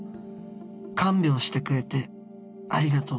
看病してくれてありがとう」。